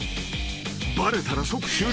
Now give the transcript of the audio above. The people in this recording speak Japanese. ［バレたら即終了］